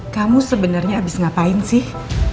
kamu sebenarnya abis ngapain sih